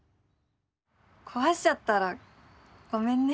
壊しちゃったらごめんね。